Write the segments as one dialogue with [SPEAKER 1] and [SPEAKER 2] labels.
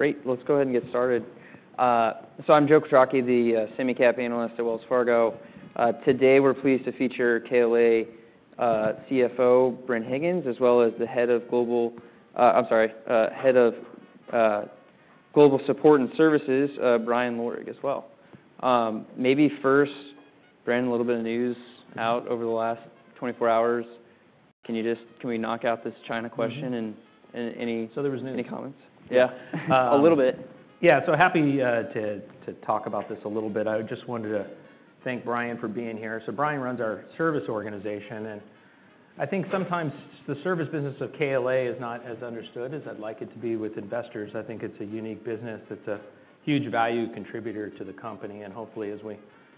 [SPEAKER 1] Great. Let's go ahead and get started, so I'm Joe Quatrochi, the semi-cap analyst at Wells Fargo. Today we're pleased to feature KLA CFO Bren Higgins, as well as the head of Global Support and Services, Brian Lorig, as well. Maybe first, Bren, a little bit of news out over the last 24 hours. Can we just knock out this China question and any.
[SPEAKER 2] So there was news.
[SPEAKER 1] Any comments? Yeah. A little bit.
[SPEAKER 2] Yeah, so happy to talk about this a little bit. I just wanted to thank Brian for being here, so Brian runs our service organization, and I think sometimes the service business of KLA is not as understood as I'd like it to be with investors. I think it's a unique business. It's a huge value contributor to the company, and hopefully, as we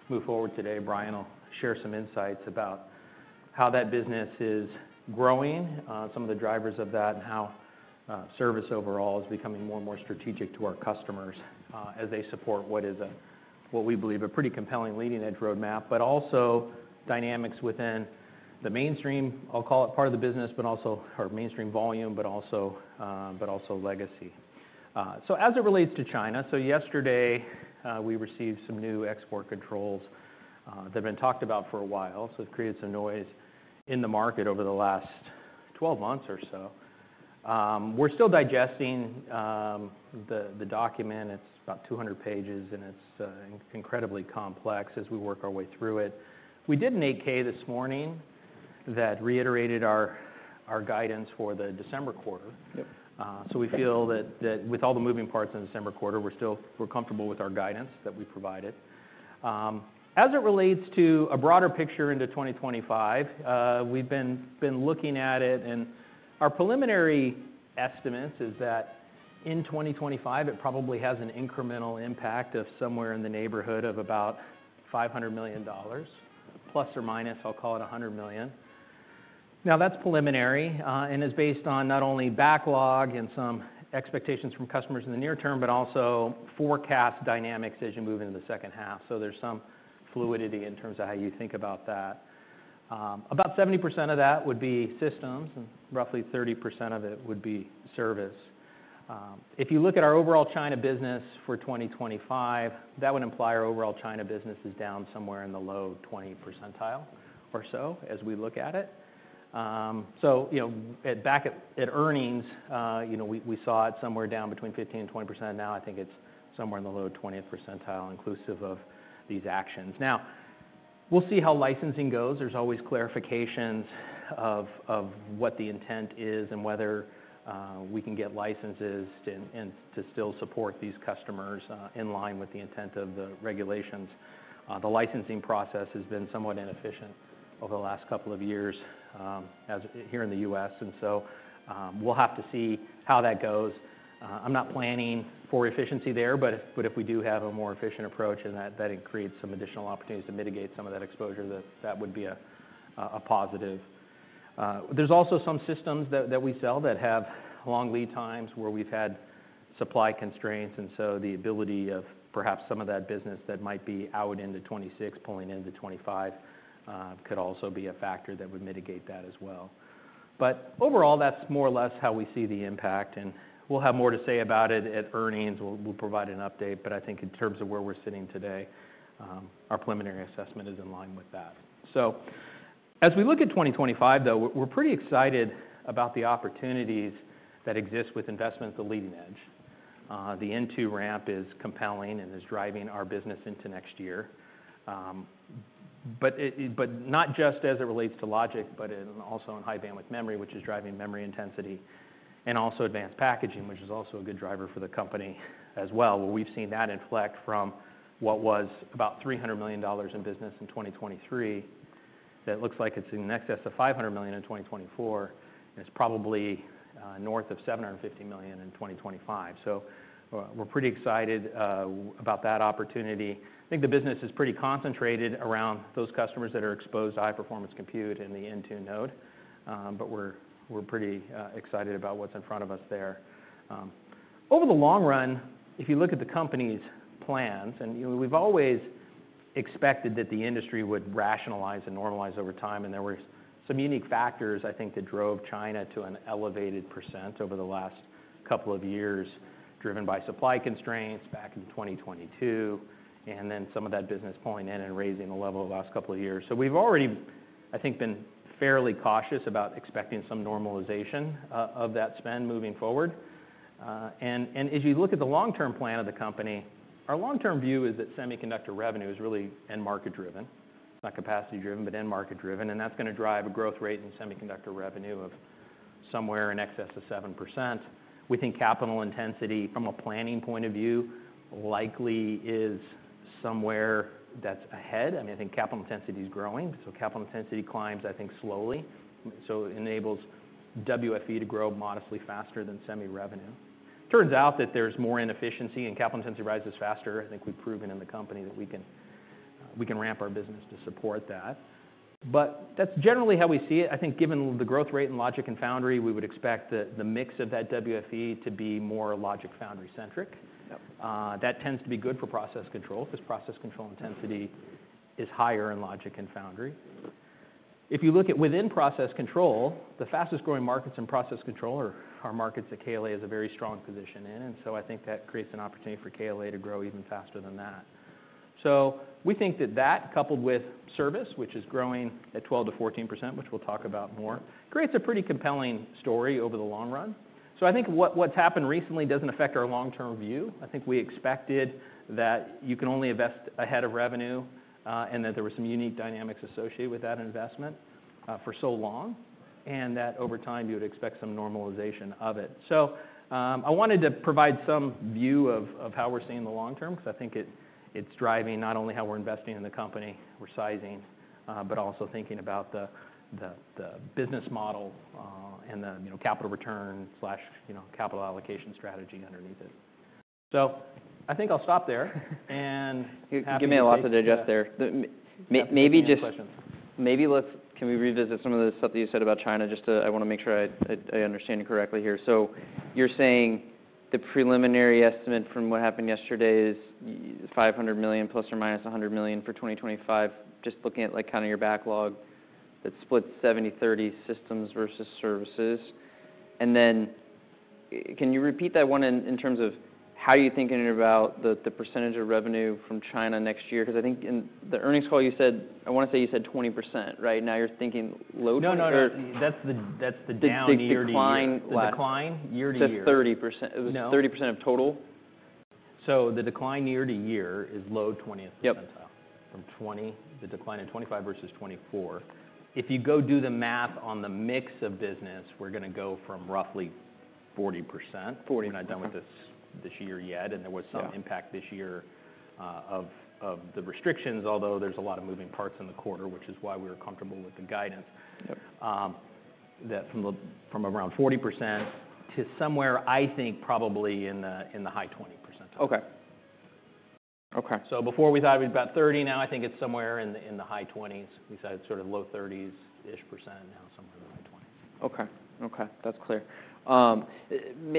[SPEAKER 2] move forward today, Brian will share some insights about how that business is growing, some of the drivers of that, and how service overall is becoming more and more strategic to our customers, as they support what we believe a pretty compelling leading-edge roadmap, but also dynamics within the mainstream, I'll call it part of the business, but also our mainstream volume, but also legacy. As it relates to China, yesterday we received some new export controls that have been talked about for a while, so it's created some noise in the market over the last 12 months or so. We're still digesting the document. It's about 200 pages, and it's incredibly complex as we work our way through it. We did an 8-K this morning that reiterated our guidance for the December quarter.
[SPEAKER 1] Yep.
[SPEAKER 2] So we feel that with all the moving parts in December quarter, we're still comfortable with our guidance that we provided. As it relates to a broader picture into 2025, we've been looking at it, and our preliminary estimates is that in 2025, it probably has an incremental impact of somewhere in the neighborhood of about $500 million, plus or minus, I'll call it $100 million. Now, that's preliminary, and is based on not only backlog and some expectations from customers in the near term, but also forecast dynamics as you move into the second half. So there's some fluidity in terms of how you think about that. About 70% of that would be systems, and roughly 30% of it would be service. If you look at our overall China business for 2025, that would imply our overall China business is down somewhere in the low 20s percent or so as we look at it. You know, back at earnings, you know, we saw it somewhere down between 15% and 20%. I think it's somewhere in the low 20s percent inclusive of these actions. We'll see how licensing goes. There's always clarifications of what the intent is and whether we can get licenses to and to still support these customers in line with the intent of the regulations. The licensing process has been somewhat inefficient over the last couple of years as here in the U.S., so we'll have to see how that goes. I'm not planning for efficiency there, but if we do have a more efficient approach and that creates some additional opportunities to mitigate some of that exposure, that would be a positive. There's also some systems that we sell that have long lead times where we've had supply constraints. And so the ability of perhaps some of that business that might be out into 2026, pulling into 2025, could also be a factor that would mitigate that as well. But overall, that's more or less how we see the impact. And we'll have more to say about it at earnings. We'll provide an update. But I think in terms of where we're sitting today, our preliminary assessment is in line with that. So as we look at 2025, though, we're pretty excited about the opportunities that exist with investment at the leading edge. The N2 ramp is compelling and is driving our business into next year. But not just as it relates to logic, but also in high bandwidth memory, which is driving memory intensity, and also advanced packaging, which is also a good driver for the company as well. We've seen that inflect from what was about $300 million in business in 2023. That looks like it's in excess of $500 million in 2024, and it's probably north of $750 million in 2025. We're pretty excited about that opportunity. I think the business is pretty concentrated around those customers that are exposed to high-performance compute and the N2 node. But we're pretty excited about what's in front of us there. Over the long run, if you look at the company's plans, and, you know, we've always expected that the industry would rationalize and normalize over time. There were some unique factors, I think, that drove China to an elevated percent over the last couple of years, driven by supply constraints back in 2022, and then some of that business pulling in and raising the level the last couple of years. So we've already, I think, been fairly cautious about expecting some normalization of that spend moving forward, and as you look at the long-term plan of the company, our long-term view is that semiconductor revenue is really end-market driven, not capacity driven, but end-market driven. That's going to drive a growth rate in semiconductor revenue of somewhere in excess of 7%. We think capital intensity, from a planning point of view, likely is somewhere that's ahead. I mean, I think capital intensity is growing. So capital intensity climbs, I think, slowly. So it enables WFE to grow modestly faster than semi-revenue. Turns out that there's more inefficiency, and capital intensity rises faster. I think we've proven in the company that we can ramp our business to support that. But that's generally how we see it. I think given the growth rate in logic and foundry, we would expect the mix of that WFE to be more logic-foundry-centric.
[SPEAKER 1] Yep.
[SPEAKER 2] That tends to be good for process control because process control intensity is higher in logic and foundry. If you look at within process control, the fastest growing markets in process control are markets that KLA has a very strong position in. And so I think that creates an opportunity for KLA to grow even faster than that. So we think that, coupled with service, which is growing at 12%-14%, which we'll talk about more, creates a pretty compelling story over the long run. So I think what's happened recently doesn't affect our long-term view. I think we expected that you can only invest ahead of revenue, and that there were some unique dynamics associated with that investment, for so long, and that over time you would expect some normalization of it. I wanted to provide some view of how we're seeing the long term because I think it's driving not only how we're investing in the company, we're sizing, but also thinking about the business model, and you know, capital return slash, you know, capital allocation strategy underneath it. I think I'll stop there and.
[SPEAKER 1] Give me a lot to digest there.
[SPEAKER 2] Maybe just.
[SPEAKER 1] Maybe can we revisit some of the stuff that you said about China just to I want to make sure I understand you correctly here. So you're saying the preliminary estimate from what happened yesterday is $500 million plus or minus $100 million for 2025, just looking at like kind of your backlog that splits 70/30 systems versus services. And then can you repeat that one in terms of how you're thinking about the percentage of revenue from China next year? Because I think in the earnings call you said I want to say you said 20%, right? Now you're thinking low 20% or?
[SPEAKER 2] No, no, no. That's the, that's the down year to year.
[SPEAKER 1] The decline year to year. It's a 30%.
[SPEAKER 2] No.
[SPEAKER 1] It was 30% of total?
[SPEAKER 2] The decline year to year is low 20th percentile.
[SPEAKER 1] Yep.
[SPEAKER 2] From 20, the decline at 25 versus 24. If you go do the math on the mix of business, we're going to go from roughly 40%.
[SPEAKER 1] 40%.
[SPEAKER 2] We're not done with this year yet. There was some impact this year, of the restrictions, although there's a lot of moving parts in the quarter, which is why we were comfortable with the guidance.
[SPEAKER 1] Yep.
[SPEAKER 2] that from around 40% to somewhere, I think, probably in the high 20 percentile.
[SPEAKER 1] Okay. Okay.
[SPEAKER 2] So before we thought it was about 30, now I think it's somewhere in the high 20s. We saw it's sort of low 30s-ish percent, now somewhere in the high 20s.
[SPEAKER 1] Okay. Okay. That's clear.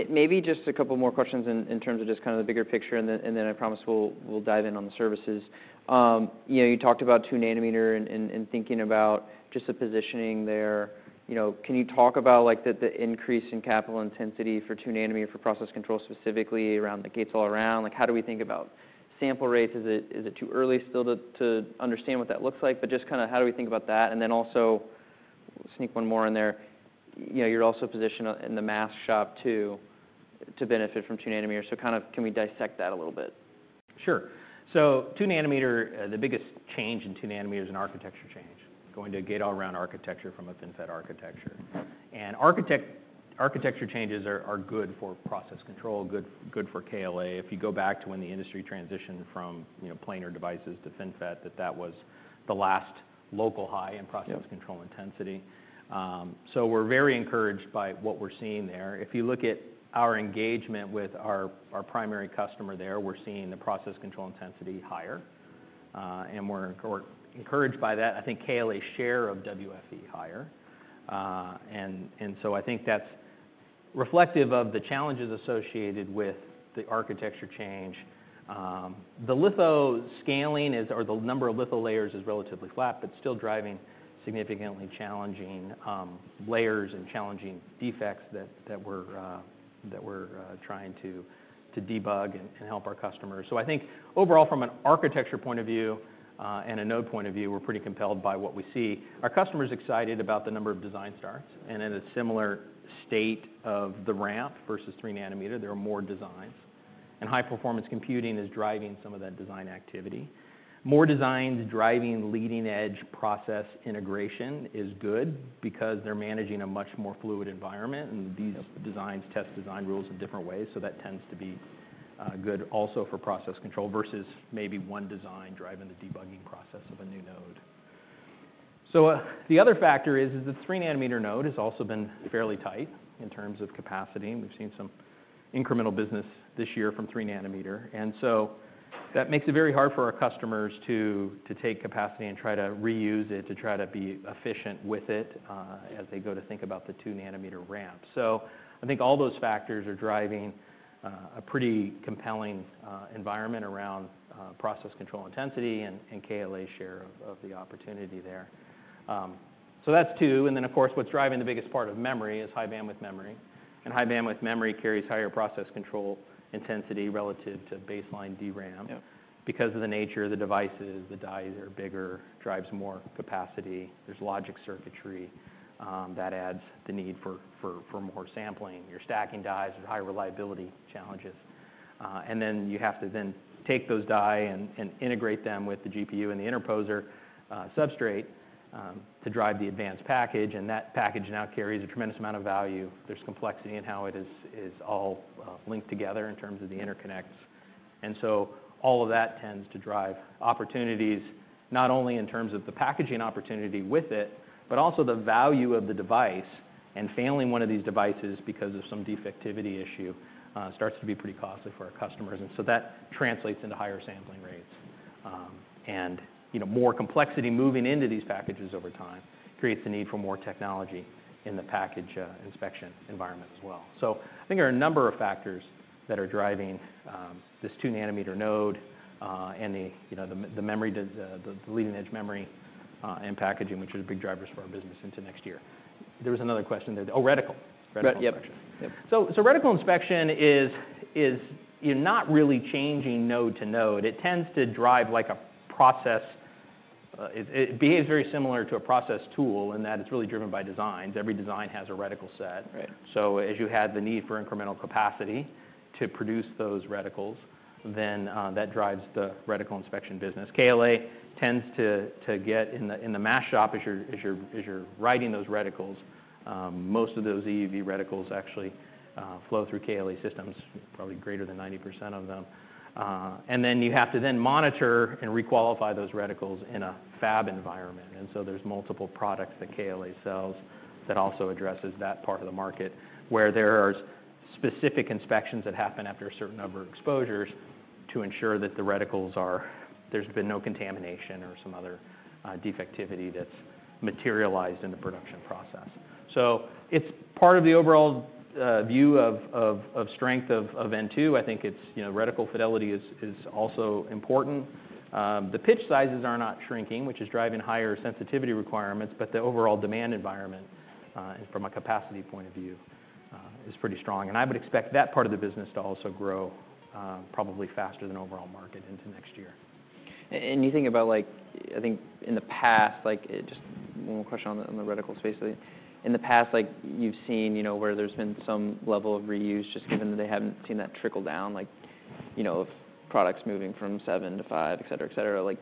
[SPEAKER 1] Maybe just a couple more questions in, in terms of just kind of the bigger picture. And then, and then I promise we'll, we'll dive in on the services. You know, you talked about two-nanometer and, and, and thinking about just the positioning there. You know, can you talk about, like, the, the increase in capital intensity for two-nanometer for process control specifically around the gate-all-around? Like, how do we think about sample rates? Is it, is it too early still to, to understand what that looks like? But just kind of how do we think about that? And then also sneak one more in there. You know, you're also positioned in the mask shop too, to benefit from two-nanometer. So kind of can we dissect that a little bit?
[SPEAKER 2] Sure. So two-nanometer, the biggest change in two-nanometer is an architecture change, going to gate-all-around architecture from a FinFET architecture. And architecture changes are good for process control, good for KLA. If you go back to when the industry transitioned from, you know, planar devices to FinFET, that was the last local high in process control intensity. So we're very encouraged by what we're seeing there. If you look at our engagement with our primary customer there, we're seeing the process control intensity higher. And we're encouraged by that. I think KLA share of WFE higher. And so I think that's reflective of the challenges associated with the architecture change. The litho scaling is, or the number of litho layers is relatively flat, but still driving significantly challenging layers and challenging defects that we're trying to debug and help our customers, so I think overall, from an architecture point of view, and a node point of view, we're pretty compelled by what we see. Our customers are excited about the number of design starts, and in a similar state of the ramp versus three-nanometer, there are more designs, and high-performance computing is driving some of that design activity. More designs driving leading-edge process integration is good because they're managing a much more fluid environment, and these designs test design rules in different ways, so that tends to be good also for process control versus maybe one design driving the debugging process of a new node. So, the other factor is the three-nanometer node has also been fairly tight in terms of capacity. And we've seen some incremental business this year from three-nanometer. And so that makes it very hard for our customers to take capacity and try to reuse it, to try to be efficient with it, as they go to think about the two-nanometer ramp. So I think all those factors are driving a pretty compelling environment around process control intensity and KLA share of the opportunity there. So that's two. And then, of course, what's driving the biggest part of memory is high bandwidth memory. And high bandwidth memory carries higher process control intensity relative to baseline DRAM.
[SPEAKER 1] Yep.
[SPEAKER 2] Because of the nature of the devices, the dies are bigger, drives more capacity. There's logic circuitry that adds the need for more sampling. You're stacking dies with high reliability challenges and then you have to take those die and integrate them with the GPU and the interposer, substrate, to drive the advanced package. And that package now carries a tremendous amount of value. There's complexity in how it is all linked together in terms of the interconnects. And so all of that tends to drive opportunities, not only in terms of the packaging opportunity with it, but also the value of the device. And failing one of these devices because of some defectivity issue starts to be pretty costly for our customers. And so that translates into higher sampling rates. You know, more complexity moving into these packages over time creates the need for more technology in the package inspection environment as well. So I think there are a number of factors that are driving this two-nanometer node and the, you know, leading-edge memory and packaging, which are the big drivers for our business into next year. There was another question there. Oh, reticle. Reticle inspection.
[SPEAKER 1] Yep. Yep.
[SPEAKER 2] So reticle inspection is, you know, not really changing node to node. It tends to drive like a process. It behaves very similar to a process tool in that it's really driven by designs. Every design has a reticle set.
[SPEAKER 1] Right.
[SPEAKER 2] So as you have the need for incremental capacity to produce those reticles, then, that drives the reticle inspection business. KLA tends to get in the mask shop as you're writing those reticles. Most of those EUV reticles actually flow through KLA systems, probably greater than 90% of them. And then you have to monitor and requalify those reticles in a fab environment. And so there's multiple products that KLA sells that also addresses that part of the market where there are specific inspections that happen after a certain number of exposures to ensure that the reticles are, there's been no contamination or some other defectivity that's materialized in the production process. So it's part of the overall view of strength of N2. I think it's, you know, reticle fidelity is also important. The pitch sizes are not shrinking, which is driving higher sensitivity requirements, but the overall demand environment, from a capacity point of view, is pretty strong, and I would expect that part of the business to also grow, probably faster than overall market into next year.
[SPEAKER 1] You think about, like, I think in the past, like, just one more question on the, on the reticle space. In the past, like, you've seen, you know, where there's been some level of reuse just given that they haven't seen that trickle down, like, you know, of products moving from seven to five, et cetera, et cetera. Like,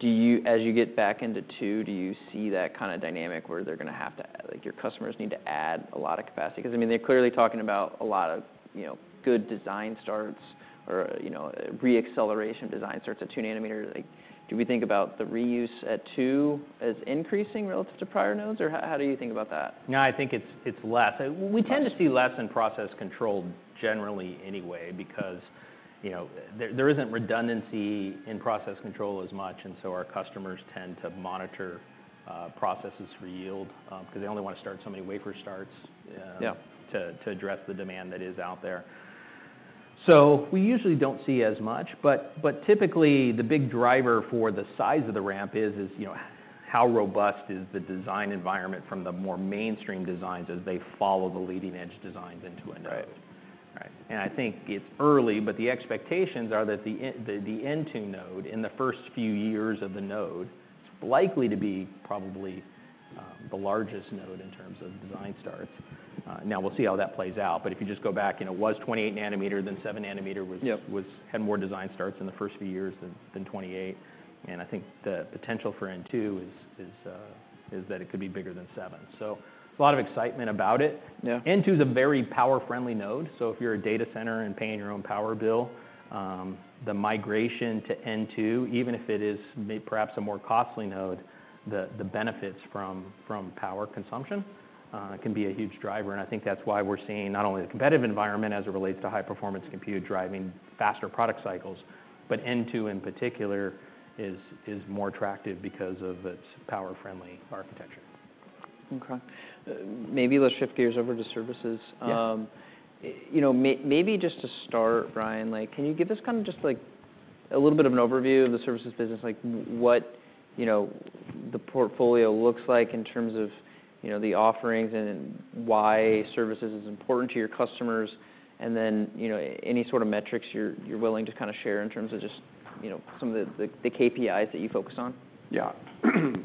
[SPEAKER 1] do you, as you get back into two, do you see that kind of dynamic where they're going to have to, like, your customers need to add a lot of capacity? Because, I mean, they're clearly talking about a lot of, you know, good design starts or, you know, re-acceleration design starts at two-nanometer. Like, do we think about the reuse at two as increasing relative to prior nodes? Or how, how do you think about that?
[SPEAKER 2] No, I think it's less. We tend to see less in process control generally anyway because, you know, there isn't redundancy in process control as much. And so our customers tend to monitor processes for yield, because they only want to start so many wafer starts.
[SPEAKER 1] Yeah.
[SPEAKER 2] To address the demand that is out there. So we usually don't see as much. But typically the big driver for the size of the ramp is, you know, how robust is the design environment from the more mainstream designs as they follow the leading-edge designs into a node.
[SPEAKER 1] Right.
[SPEAKER 2] Right. And I think it's early, but the expectations are that the N2 node in the first few years of the node is likely to be probably the largest node in terms of design starts. Now we'll see how that plays out. But if you just go back, you know, 28-nanometer, then seven-nanometer had more design starts in the first few years than 28. And I think the potential for N2 is that it could be bigger than seven. So a lot of excitement about it.
[SPEAKER 1] Yeah.
[SPEAKER 2] N2 is a very power-friendly node. So if you're a data center and paying your own power bill, the migration to N2, even if it is may perhaps a more costly node, the benefits from power consumption, can be a huge driver. And I think that's why we're seeing not only the competitive environment as it relates to high-performance compute driving faster product cycles, but N2 in particular is more attractive because of its power-friendly architecture.
[SPEAKER 1] Okay. Maybe let's shift gears over to services.
[SPEAKER 2] Yes.
[SPEAKER 1] You know, maybe just to start, Brian, like, can you give us kind of just like a little bit of an overview of the services business, like what, you know, the portfolio looks like in terms of, you know, the offerings and why services is important to your customers? And then, you know, any sort of metrics you're willing to kind of share in terms of just, you know, some of the KPIs that you focus on?
[SPEAKER 3] Yeah.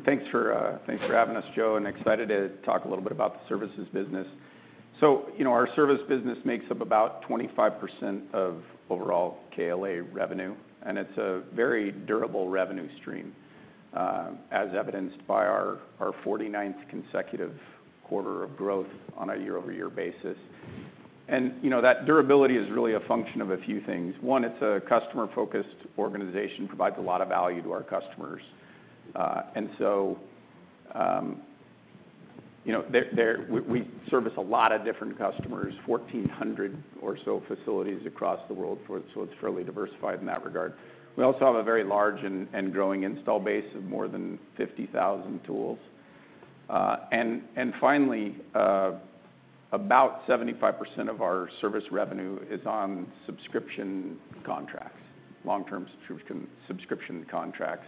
[SPEAKER 3] Thanks for having us, Joe. And excited to talk a little bit about the services business. So, you know, our service business makes up about 25% of overall KLA revenue. And it's a very durable revenue stream, as evidenced by our 49th consecutive quarter of growth on a year-over-year basis. And, you know, that durability is really a function of a few things. One, it's a customer-focused organization, provides a lot of value to our customers. And so, you know, there, we service a lot of different customers, 1,400 or so facilities across the world. So it's fairly diversified in that regard. We also have a very large and growing install base of more than 50,000 tools. And finally, about 75% of our service revenue is on subscription contracts, long-term subscription contracts.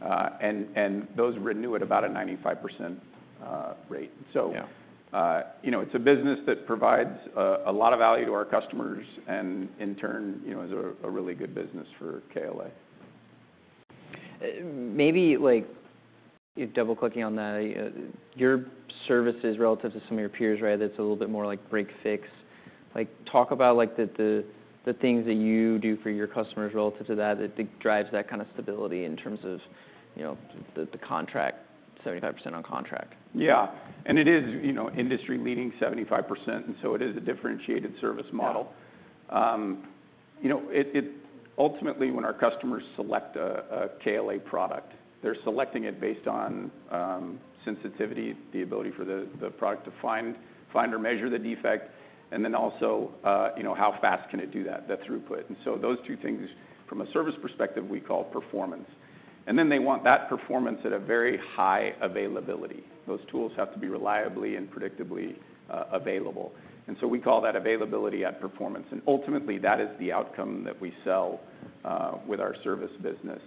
[SPEAKER 3] And those renew at about a 95% rate.
[SPEAKER 1] So.
[SPEAKER 3] Yeah. You know, it's a business that provides a lot of value to our customers and in turn, you know, is a really good business for KLA.
[SPEAKER 1] Maybe like, you're double-clicking on that, your services relative to some of your peers, right? That's a little bit more like break/fix. Like, talk about like the things that you do for your customers relative to that that drives that kind of stability in terms of, you know, the contract, 75% on contract.
[SPEAKER 3] Yeah. And it is, you know, industry-leading 75%. And so it is a differentiated service model. You know, it ultimately when our customers select a KLA product, they're selecting it based on sensitivity, the ability for the product to find or measure the defect, and then also, you know, how fast can it do that throughput. And so those two things from a service perspective, we call performance. And then they want that performance at a very high availability. Those tools have to be reliably and predictably available. And so we call that availability at performance. And ultimately that is the outcome that we sell with our service business.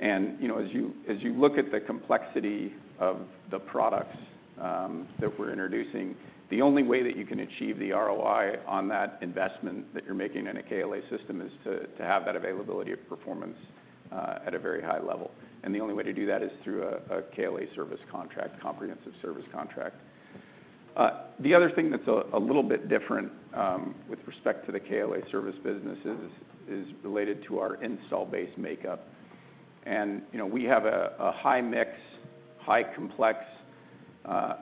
[SPEAKER 3] You know, as you look at the complexity of the products that we're introducing, the only way that you can achieve the ROI on that investment that you're making in a KLA system is to have that availability of performance at a very high level. And the only way to do that is through a KLA service contract, comprehensive service contract. The other thing that's a little bit different with respect to the KLA service business is related to our installed base makeup. And, you know, we have a high mix, highly complex,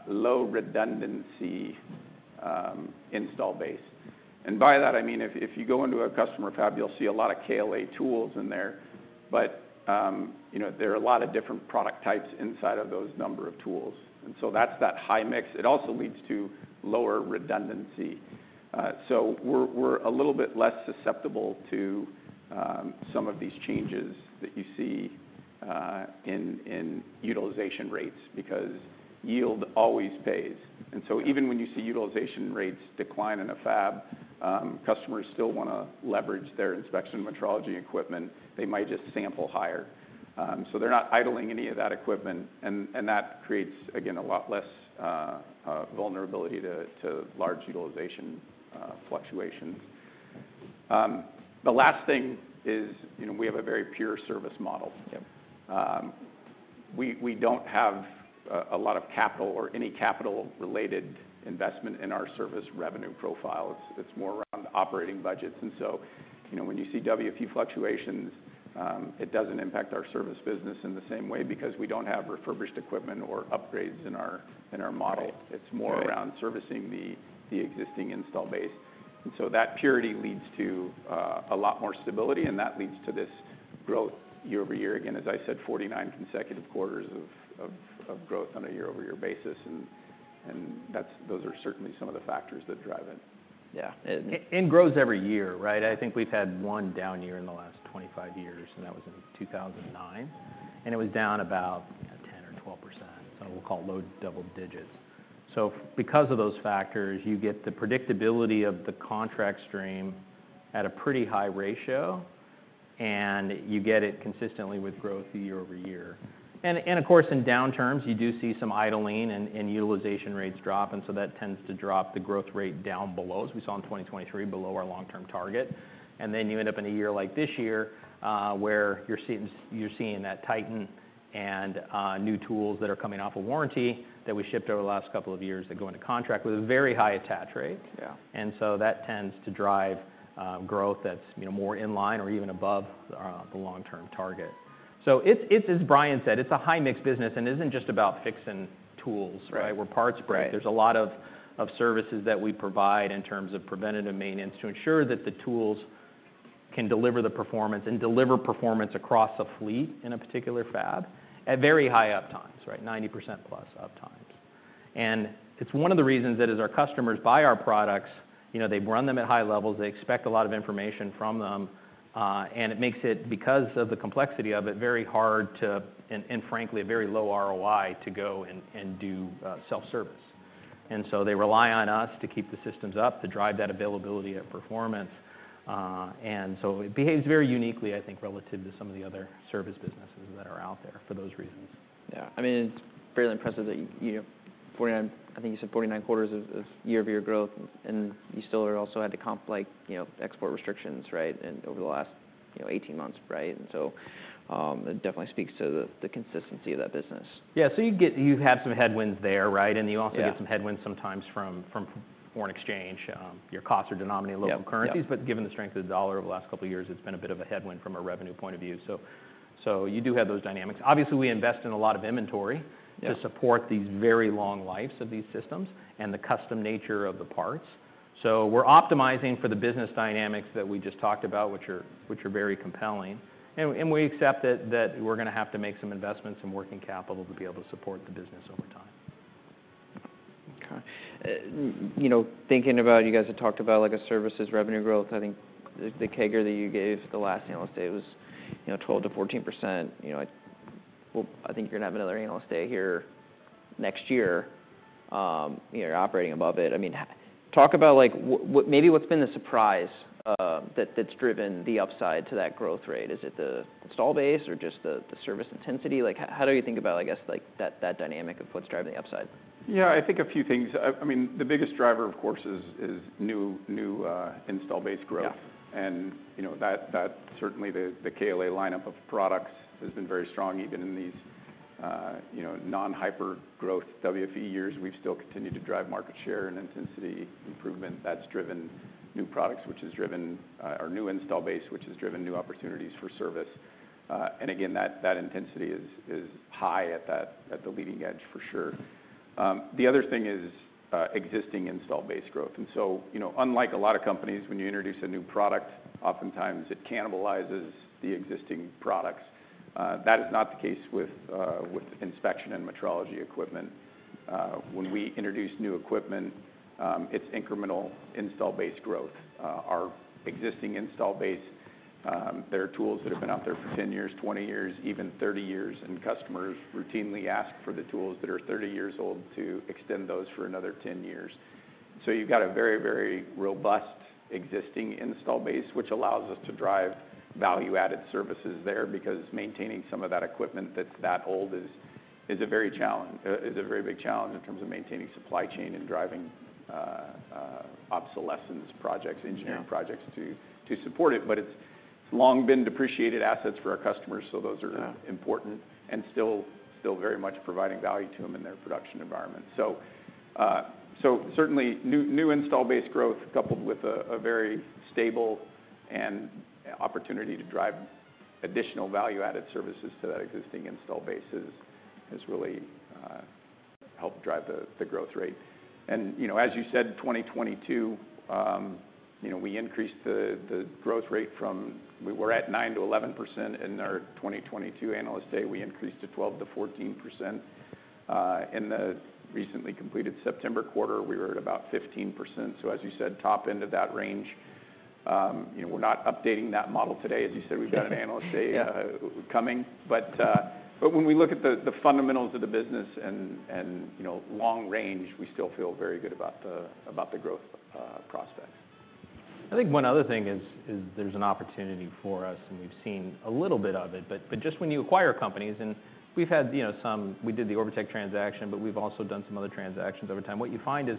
[SPEAKER 3] low redundancy, installed base. And by that, I mean, if you go into a customer fab, you'll see a lot of KLA tools in there. But, you know, there are a lot of different product types inside of that number of tools. And so that's that high mix. It also leads to lower redundancy, so we're a little bit less susceptible to some of these changes that you see in utilization rates because yield always pays, and so even when you see utilization rates decline in a fab, customers still want to leverage their inspection metrology equipment. They might just sample higher, so they're not idling any of that equipment, and that creates again a lot less vulnerability to large utilization fluctuations. The last thing is, you know, we have a very pure service model.
[SPEAKER 1] Yep.
[SPEAKER 3] We don't have a lot of capital or any capital-related investment in our service revenue profile. It's more around operating budgets. And so, you know, when you see WFE fluctuations, it doesn't impact our service business in the same way because we don't have refurbished equipment or upgrades in our model. It's more around servicing the existing install base. And so that purity leads to a lot more stability. And that leads to this growth year-over-year. Again, as I said, 49 consecutive quarters of growth on a year-over-year basis. And that's those are certainly some of the factors that drive it.
[SPEAKER 2] Yeah. And grows every year, right? I think we've had one down year in the last 25 years. And that was in 2009. And it was down about, you know, 10% or 12%. So we'll call low double digits. So because of those factors, you get the predictability of the contract stream at a pretty high ratio. And you get it consistently with growth year-over-year. And of course, in downturns, you do see some idling and utilization rates drop. And so that tends to drop the growth rate down below, as we saw in 2023, below our long-term target. And then you end up in a year like this year, where you're seeing that tighten and new tools that are coming off of warranty that we shipped over the last couple of years that go into contract with a very high attach rate.
[SPEAKER 3] Yeah.
[SPEAKER 2] And so that tends to drive growth that's, you know, more in line or even above the long-term target. So it's, as Brian said, it's a high mix business. And it isn't just about fixing tools, right?
[SPEAKER 3] Right.
[SPEAKER 2] Wear parts break. There's a lot of services that we provide in terms of preventative maintenance to ensure that the tools can deliver the performance and deliver performance across a fleet in a particular fab at very high uptimes, right? 90%+ uptimes. And it's one of the reasons that as our customers buy our products, you know, they've run them at high levels. They expect a lot of information from them. And it makes it, because of the complexity of it, very hard to, and frankly, a very low ROI to go and do self-service. And so they rely on us to keep the systems up to drive that availability at performance. And so it behaves very uniquely, I think, relative to some of the other service businesses that are out there for those reasons.
[SPEAKER 1] Yeah. I mean, it's fairly impressive that you, you know, 49, I think you said 49 quarters of year-over-year growth. And you still are also had to comp, like, you know, export restrictions, right? And over the last, you know, 18 months, right? And so, it definitely speaks to the consistency of that business.
[SPEAKER 2] Yeah. So you get, you have some headwinds there, right? And you also get some headwinds sometimes from foreign exchange. Your costs are denominated in local currencies.
[SPEAKER 1] Yeah.
[SPEAKER 2] But given the strength of the dollar over the last couple of years, it's been a bit of a headwind from a revenue point of view. So, you do have those dynamics. Obviously, we invest in a lot of inventory.
[SPEAKER 1] Yes.
[SPEAKER 2] To support these very long lives of these systems and the custom nature of the parts. So we're optimizing for the business dynamics that we just talked about, which are very compelling. And we accept that we're going to have to make some investments in working capital to be able to support the business over time.
[SPEAKER 1] Okay. You know, thinking about you guys had talked about like a services revenue growth. I think the, the CAGR that you gave the last Analyst Day was, you know, 12%-14%. You know, I, well, I think you're going to have another Analyst Day here next year. You know, you're operating above it. I mean, talk about like what, what maybe what's been the surprise, that, that's driven the upside to that growth rate? Is it the install base or just the, the service intensity? Like, how, how do you think about, I guess, like that, that dynamic of what's driving the upside?
[SPEAKER 3] Yeah. I think a few things. I mean, the biggest driver, of course, is new install base growth.
[SPEAKER 1] Yeah.
[SPEAKER 3] And, you know, that certainly the KLA lineup of products has been very strong even in these, you know, non-hyper growth WFE years. We've still continued to drive market share and intensity improvement. That's driven new products, which has driven or new install base, which has driven new opportunities for service. And again, that intensity is high at the leading edge for sure. The other thing is existing install base growth. And so, you know, unlike a lot of companies, when you introduce a new product, oftentimes it cannibalizes the existing products. That is not the case with inspection and metrology equipment. When we introduce new equipment, it's incremental install base growth. Our existing install base, there are tools that have been out there for 10 years, 20 years, even 30 years. And customers routinely ask for the tools that are 30 years old to extend those for another 10 years. So you've got a very, very robust existing install base, which allows us to drive value-added services there because maintaining some of that equipment that's that old is, is a very challenge, is a very big challenge in terms of maintaining supply chain and driving, obsolescence projects, engineering projects to, to support it. But it's, it's long been depreciated assets for our customers. So those are.
[SPEAKER 1] Yeah.
[SPEAKER 3] Important and still very much providing value to them in their production environment. So certainly new installed base growth coupled with a very stable and opportunity to drive additional value-added services to that existing installed base has really helped drive the growth rate. You know, as you said, 2022, you know, we increased the growth rate from, we were at 9%-11% in our 2022 Analyst Day. We increased to 12%-14%. In the recently completed September quarter, we were at about 15%. As you said, top end of that range. You know, we're not updating that model today. As you said, we've got an Analyst Day coming. When we look at the fundamentals of the business and you know, long range, we still feel very good about the growth prospects.
[SPEAKER 2] I think one other thing is, there's an opportunity for us, and we've seen a little bit of it. But just when you acquire companies and we've had, you know, some, we did the Orbotech transaction, but we've also done some other transactions over time. What you find is,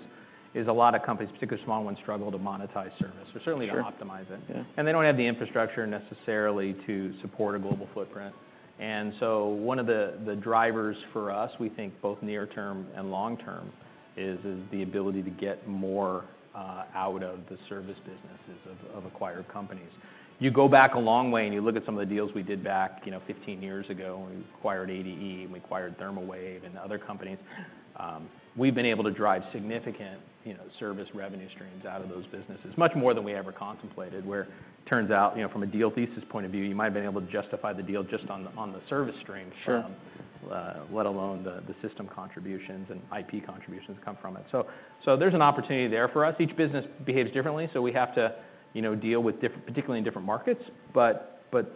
[SPEAKER 2] a lot of companies, particularly small ones, struggle to monetize services or certainly.
[SPEAKER 1] Sure.
[SPEAKER 2] To optimize it.
[SPEAKER 1] Yeah.
[SPEAKER 2] And they don't have the infrastructure necessarily to support a global footprint. And so one of the drivers for us, we think both near term and long term, is the ability to get more out of the service businesses of acquired companies. You go back a long way and you look at some of the deals we did back, you know, 15 years ago when we acquired ADE and we acquired Therma-Wave and other companies. We've been able to drive significant, you know, service revenue streams out of those businesses, much more than we ever contemplated where it turns out, you know, from a deal thesis point of view, you might have been able to justify the deal just on the service stream.
[SPEAKER 1] Sure.
[SPEAKER 2] Let alone the system contributions and IP contributions come from it. So there's an opportunity there for us. Each business behaves differently. So we have to, you know, deal with different, particularly in different markets. But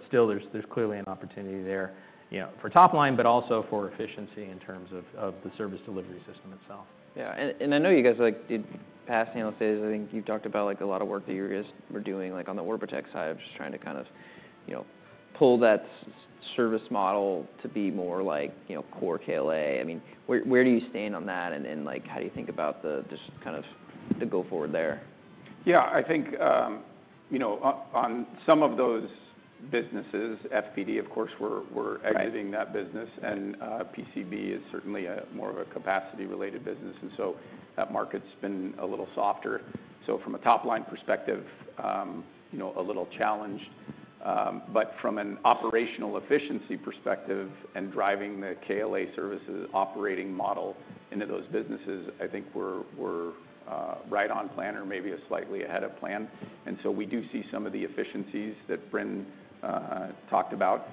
[SPEAKER 2] still there's clearly an opportunity there, you know, for top line, but also for efficiency in terms of the service delivery system itself.
[SPEAKER 1] Yeah. And, and I know you guys like did past Analyst Days. I think you've talked about like a lot of work that you guys were doing like on the Orbotech side. I'm just trying to kind of, you know, pull that service model to be more like, you know, core KLA. I mean, where, where do you stand on that? And, and like how do you think about the, the kind of the go-forward there?
[SPEAKER 3] Yeah. I think, you know, on some of those businesses, FPD, of course, we're exiting that business.
[SPEAKER 1] Right.
[SPEAKER 3] PCB is certainly more of a capacity-related business. That market's been a little softer. From a top line perspective, you know, a little challenged. But from an operational efficiency perspective and driving the KLA services operating model into those businesses, I think we're right on plan or maybe slightly ahead of plan. We do see some of the efficiencies that Bren talked about.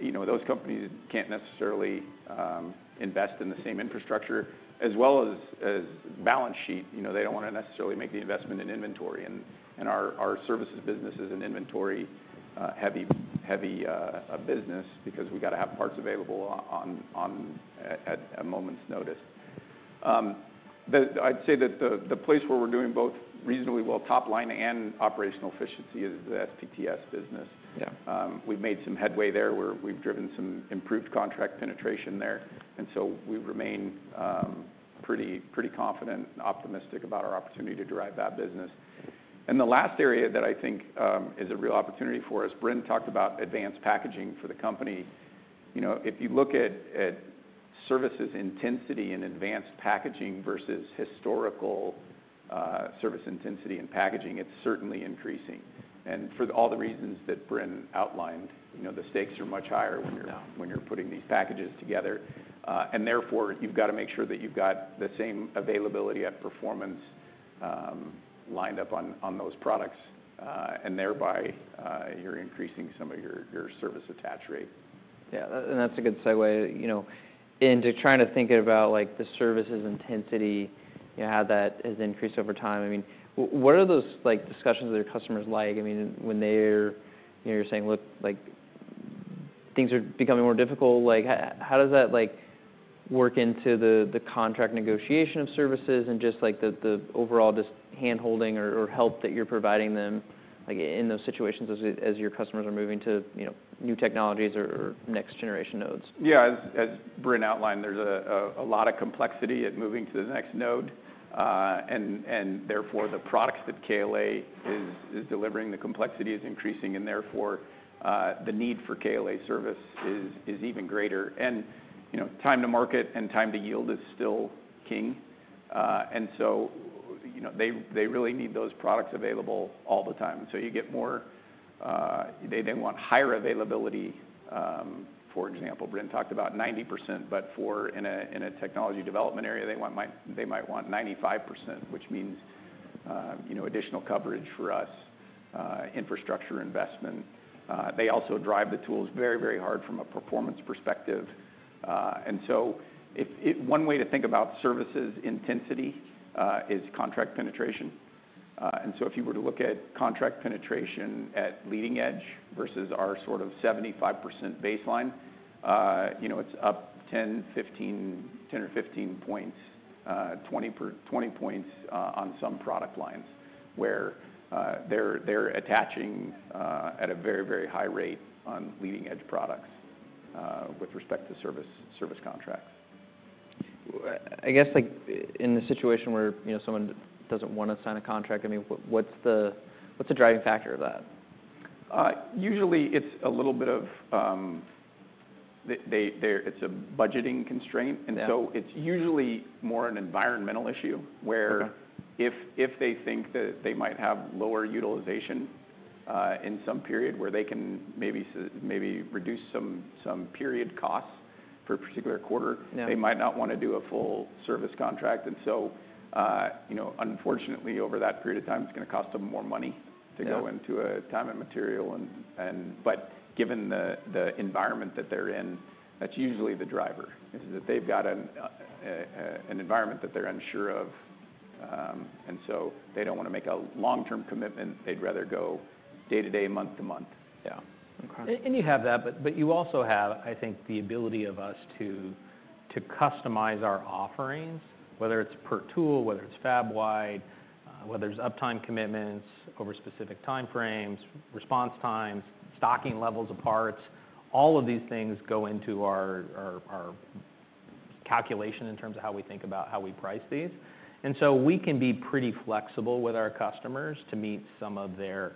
[SPEAKER 3] You know, those companies can't necessarily invest in the same infrastructure as well as balance sheet. They don't want to necessarily make the investment in inventory. And our services business is an inventory heavy business because we've got to have parts available on at moment's notice. I'd say that the place where we're doing both reasonably well top line and operational efficiency is the SPTS business.
[SPEAKER 1] Yeah.
[SPEAKER 3] We've made some headway there where we've driven some improved contract penetration there. And so we remain pretty, pretty confident and optimistic about our opportunity to drive that business. And the last area that I think is a real opportunity for us. Bren talked about advanced packaging for the company. You know, if you look at services intensity and advanced packaging versus historical service intensity and packaging, it's certainly increasing. And for all the reasons that Bren outlined, you know, the stakes are much higher when you're.
[SPEAKER 1] No.
[SPEAKER 3] When you're putting these packages together and therefore you've got to make sure that you've got the same availability at performance lined up on those products and thereby you're increasing some of your service attach rate.
[SPEAKER 1] Yeah. And that's a good segue, you know, into trying to think about like the services intensity, you know, how that has increased over time. I mean, what are those like discussions that your customers like? I mean, when they're, you know, you're saying, "Look, like things are becoming more difficult," like how, how does that like work into the, the contract negotiation of services and just like the, the overall just handholding or, or help that you're providing them like in those situations as we, as your customers are moving to, you know, new technologies or, or next generation nodes?
[SPEAKER 3] Yeah. As Bren outlined, there's a lot of complexity at moving to the next node. And therefore the products that KLA is delivering, the complexity is increasing. And therefore, the need for KLA service is even greater. And, you know, time to market and time to yield is still king. And so, you know, they really need those products available all the time. So you get more, they want higher availability. For example, Bren talked about 90%, but in a technology development area, they might want 95%, which means, you know, additional coverage for us, infrastructure investment. They also drive the tools very, very hard from a performance perspective. And so one way to think about services intensity is contract penetration. And so if you were to look at contract penetration at leading edge versus our sort of 75% baseline, you know, it's up 10 or 15 points, 20 points on some product lines where they're attaching at a very, very high rate on leading edge products with respect to service contracts.
[SPEAKER 1] I guess like in the situation where, you know, someone doesn't want to sign a contract, I mean, what's the driving factor of that?
[SPEAKER 3] Usually it's a little bit of, it's a budgeting constraint.
[SPEAKER 1] Yeah.
[SPEAKER 3] And so it's usually more an environmental issue where.
[SPEAKER 1] Okay.
[SPEAKER 3] If they think that they might have lower utilization, in some period where they can maybe reduce some period costs for a particular quarter.
[SPEAKER 1] Yeah.
[SPEAKER 3] They might not want to do a full service contract, and so, you know, unfortunately over that period of time, it's going to cost them more money to go into a time and material, and but given the environment that they're in, that's usually the driver is that they've got an environment that they're unsure of, and so they don't want to make a long-term commitment. They'd rather go day to day, month to month.
[SPEAKER 1] Yeah. Okay.
[SPEAKER 2] And you have that, but you also have, I think, the ability of us to customize our offerings, whether it's per tool, whether it's fab-wide, whether it's uptime commitments over specific time frames, response times, stocking levels of parts. All of these things go into our calculation in terms of how we think about how we price these. And so we can be pretty flexible with our customers to meet some of their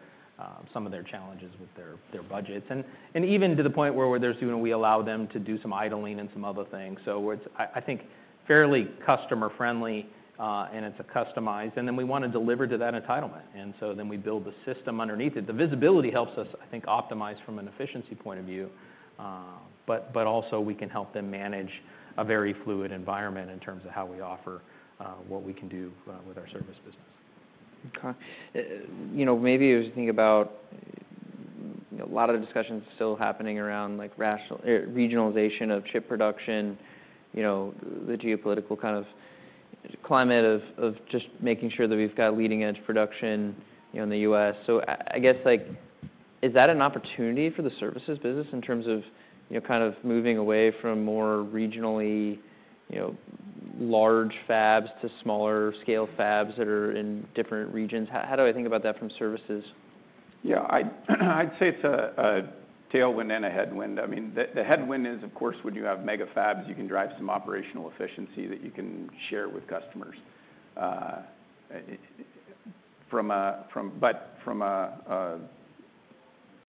[SPEAKER 2] challenges with their budgets. And even to the point where we even allow them to do some idling and some other things. It's, I think, fairly customer-friendly, and it's customized. And then we want to deliver to that entitlement. So then we build the system underneath it. The visibility helps us, I think, optimize from an efficiency point of view. but also we can help them manage a very fluid environment in terms of how we offer, what we can do, with our service business.
[SPEAKER 1] Okay. You know, maybe as you think about, you know, a lot of discussions still happening around like rationalization, regionalization of chip production, you know, the geopolitical kind of climate of, of just making sure that we've got leading edge production, you know, in the U.S. So I guess like, is that an opportunity for the services business in terms of, you know, kind of moving away from more regionally, you know, large fabs to smaller scale fabs that are in different regions? How do I think about that from services?
[SPEAKER 3] Yeah. I'd say it's a tailwind and a headwind. I mean, the headwind is, of course, when you have mega fabs, you can drive some operational efficiency that you can share with customers. But from a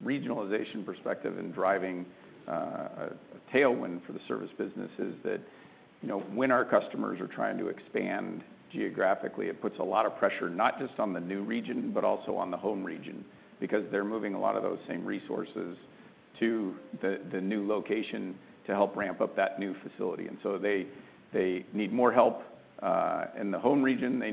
[SPEAKER 3] regionalization perspective and driving a tailwind for the service business is that, you know, when our customers are trying to expand geographically, it puts a lot of pressure not just on the new region, but also on the home region because they're moving a lot of those same resources to the new location to help ramp up that new facility. And so they need more help in the home region. They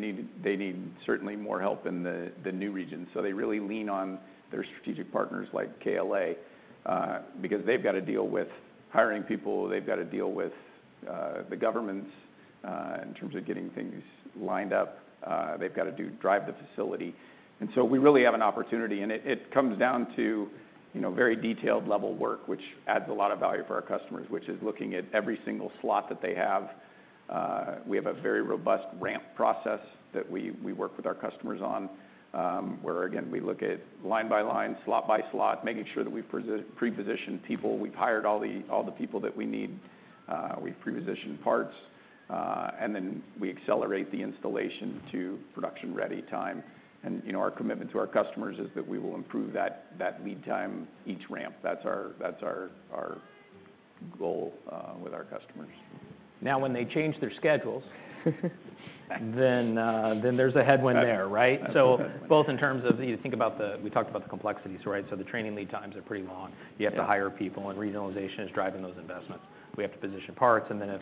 [SPEAKER 3] need certainly more help in the new region. So they really lean on their strategic partners like KLA, because they've got to deal with hiring people. They've got to deal with the governments in terms of getting things lined up. They've got to drive the facility. And so we really have an opportunity. And it comes down to, you know, very detailed level work, which adds a lot of value for our customers, which is looking at every single slot that they have. We have a very robust ramp process that we work with our customers on, where again, we look at line by line, slot by slot, making sure that we've pre-positioned people. We've hired all the people that we need. We've pre-positioned parts. And then we accelerate the installation to production ready time. And, you know, our commitment to our customers is that we will improve that lead time each ramp. That's our goal with our customers.
[SPEAKER 2] Now when they change their schedules, then there's a headwind there, right? So both in terms of, you know, think about the, we talked about the complexity, right? So the training lead times are pretty long. You have to hire people and regionalization is driving those investments. We have to position parts. And then if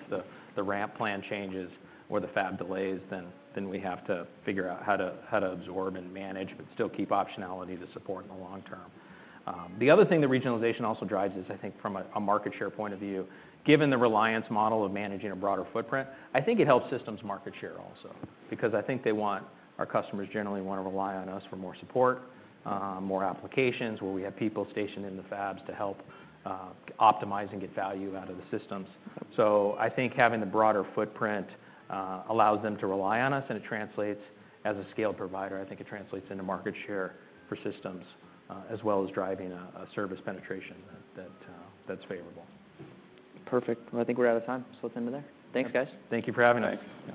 [SPEAKER 2] the ramp plan changes or the fab delays, then we have to figure out how to absorb and manage, but still keep optionality to support in the long term. The other thing that regionalization also drives is, I think from a market share point of view, given the reliance model of managing a broader footprint, I think it helps systems market share also because I think they want, our customers generally want to rely on us for more support, more applications where we have people stationed in the fabs to help optimize and get value out of the systems. So I think having the broader footprint allows them to rely on us. And it translates as a scale provider. I think it translates into market share for systems, as well as driving a service penetration that's favorable.
[SPEAKER 1] Perfect. Well, I think we're out of time. So we'll end it there. Thanks, guys.
[SPEAKER 2] Thank you for having us.
[SPEAKER 1] Thanks.